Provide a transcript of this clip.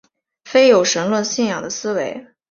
非有神论信仰的思维。